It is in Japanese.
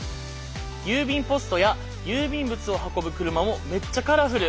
郵便ポストや郵便物を運ぶ車もめっちゃカラフル！